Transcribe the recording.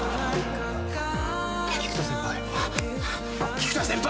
菊田先輩。